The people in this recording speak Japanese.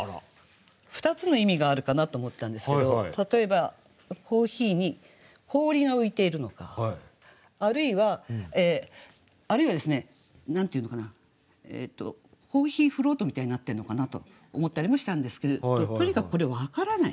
２つの意味があるかなと思ったんですけど例えばコーヒーに氷が浮いているのかあるいはあるいはですね何と言うのかなコーヒーフロートみたいになってるのかなと思ったりもしたんですけれどとにかくこれ分からない。